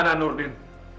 nah pak topeng